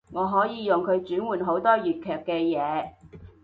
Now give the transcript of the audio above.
我可以用佢轉換好多粵劇嘅嘢